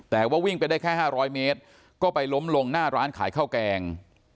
แต่ว่าวิ่งไปได้แค่๕๐๐เมตรก็ไปล้มลงหน้าร้านขายข้าวแกง